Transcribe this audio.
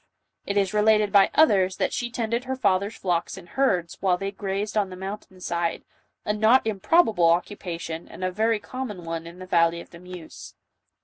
It is related by others, that she tended her father's flocks and herds while they grazed on the mountain side, a not improbable occupation and a very common one in the valley of the Meuse.